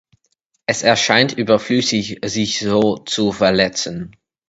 Es erscheint überflüßig sich so zu verletzen.